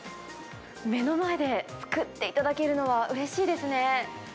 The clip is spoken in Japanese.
目の前で作っていただけるのはうれしいですね。